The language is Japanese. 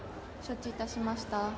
承知いたしました。